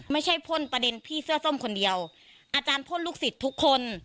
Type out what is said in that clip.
พ่นประเด็นพี่เสื้อส้มคนเดียวอาจารย์พ่นลูกศิษย์ทุกคน